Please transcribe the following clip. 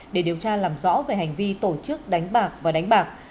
để điều tra làm rõ về hành vi tổ chức đánh bạc và đánh bạc